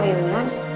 oh ya lan